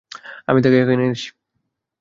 আমি তাকে এখানে এনেছি।